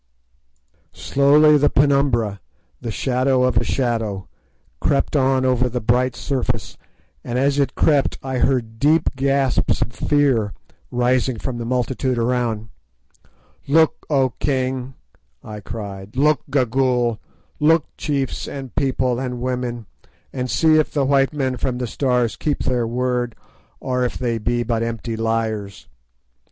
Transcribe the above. Slowly the penumbra, the shadow of a shadow, crept on over the bright surface, and as it crept I heard deep gasps of fear rising from the multitude around. "Look, O king!" I cried; "look, Gagool! Look, chiefs and people and women, and see if the white men from the Stars keep their word, or if they be but empty liars!